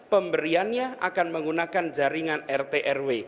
pemberiannya akan menggunakan jaringan rt rw